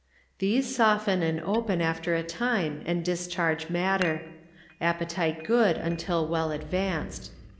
These soften and open after a time and discharge matter; appetite good until well advanced.